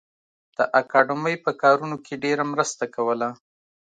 د اکاډمۍ په کارونو کې ډېره مرسته کوله